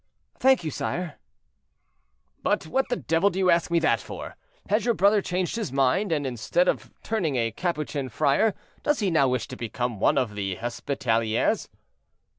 "Thank you, sire." "But what the devil do you ask me that for? Has your brother changed his mind, and, instead of turning a Capuchin friar, does he now wish to become one of the Hospitalieres?"